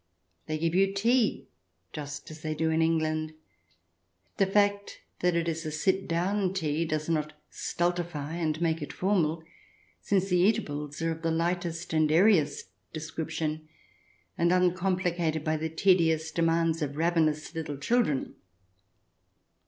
They give you tea just as they do in England ; the fact that it is a sit down tea does not stultify and make it formal, since the eatables are of the lightest and airiest description, and uncompli cated by the tedious demands of ravenous little children.